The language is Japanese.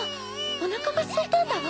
おなかがすいたんだわ。